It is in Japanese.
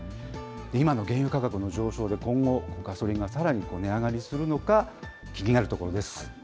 今の原油価格の上昇で今後、ガソリンがさらに値上がりするのか気になるところです。